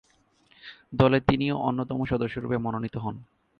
দলে তিনিও অন্যতম সদস্যরূপে মনোনীত হন।